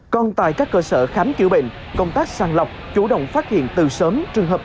còn tại các cơ sở khám chữa bệnh công tác sàng lọc chủ động phát hiện từ sớm trường hợp